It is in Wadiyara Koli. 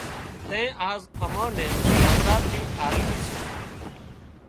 تين آز امان نين آزادي الاوي سي